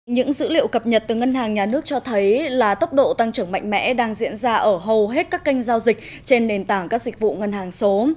những dữ liệu cập nhật từ ngân hàng nhà nước cho thấy là tốc độ tăng trưởng mạnh mẽ đang diễn ra ở hầu hết các kênh giao dịch trên nền tảng các dịch vụ ngân hàng số